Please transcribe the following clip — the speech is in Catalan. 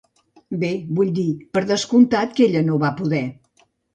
Bé, vull dir, per descomptat que ella no va poder.